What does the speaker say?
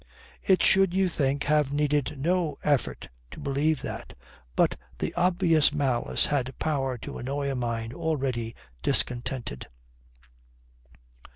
It should, you think, have needed no effort to believe that. But the obvious malice had power to annoy a mind already discontented.